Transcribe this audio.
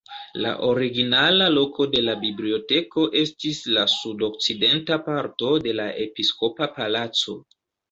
La originala loko de la biblioteko estis la sud-okcidenta parto de la episkopa palaco.